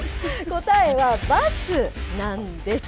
答えは、バスなんです。